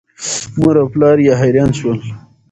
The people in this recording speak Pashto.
مور او پلار یې حیران شول.